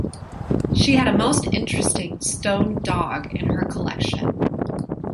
She had a most interesting stone dog in her collection.